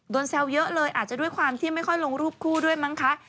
แซวเยอะเลยอาจจะด้วยความที่ไม่ค่อยลงรูปคู่ด้วยมั้งคะ